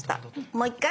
もう一回？